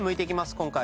今回。